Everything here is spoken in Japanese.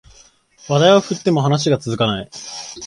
話題を振っても話が続かない